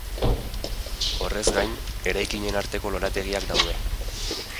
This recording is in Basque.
Horrez gain, eraikinen arteko lorategiak daude.